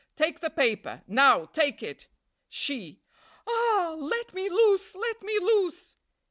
Take the paper. Now, take it!' "She. 'Ah! Let me loose! let me loose!'